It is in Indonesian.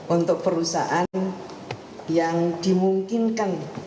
untuk perusahaan yang dimungkinkan